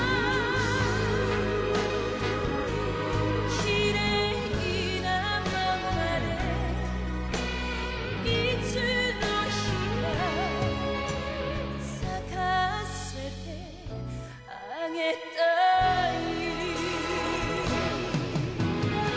きれいなままでいつの日か咲かせてあげたい